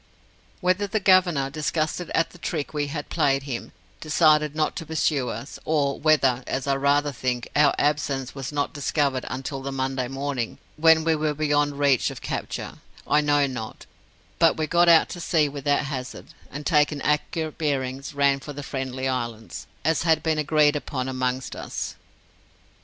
Whether the Governor, disgusted at the trick we had played him, decided not to pursue us, or whether as I rather think our absence was not discovered until the Monday morning, when we were beyond reach of capture, I know not, but we got out to sea without hazard, and, taking accurate bearings, ran for the Friendly Islands, as had been agreed upon amongst us.